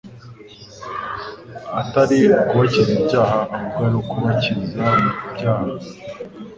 atari ukubakiza ibyaha, ahubwo ari ukubakiriza mu byaha